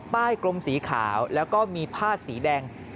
กลมสีขาวแล้วก็มีผ้าสีแดง